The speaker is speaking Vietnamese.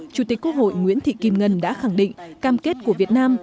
chủ tịch quốc hội nguyễn thị kim ngân đã khẳng định cam kết của việt nam